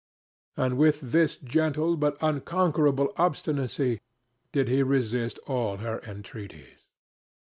And with this gentle but unconquerable obstinacy did he resist all her entreaties.